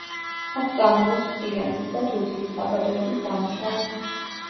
აქ წარმოებს სპილენძის და თუთიის საბადოების დამუშავება.